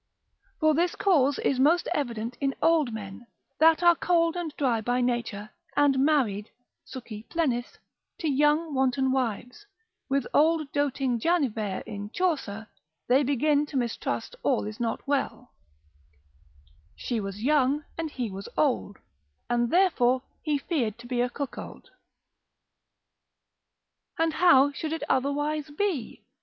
For this cause is most evident in old men, that are cold and dry by nature, and married, succi plenis, to young wanton wives; with old doting Janivere in Chaucer, they begin to mistrust all is not well, ———She was young and he was old, And therefore he feared to be a cuckold. And how should it otherwise be?